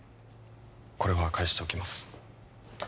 これは返しておきます